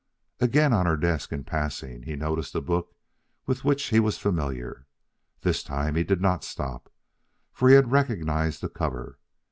Again, on her desk, in passing, he noticed a book with which he was familiar. This time he did not stop, for he had recognized the cover.